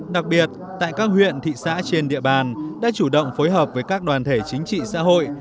đặc biệt tại các huyện thị xã trên địa bàn đã chủ động phối hợp với các đoàn thể chính trị xã hội